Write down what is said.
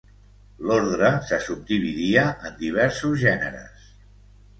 L'ordre se subdividia en diversos gèneres.